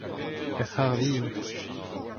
ur c'har vihan.